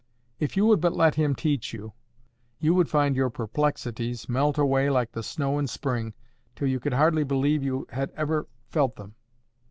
If you would but let Him teach you, you would find your perplexities melt away like the snow in spring, till you could hardly believe you had ever felt them.